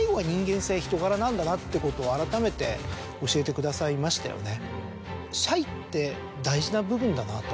なんだなってことをあらためて教えてくださいましたよね。